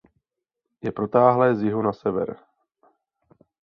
Je protáhlé z jihu na sever.